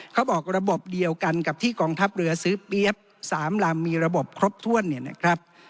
เขาบอกระบบเดียวกันกับที่กองทัพเรือซื้อเปี๊ยบ๓ลำมีระบบครบถ้วนเนี่ยนะครับ